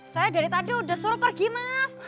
saya dari tadi sudah suruh pergi mas